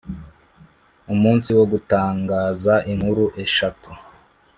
Umunsi wo gutangaza inkuru eshatu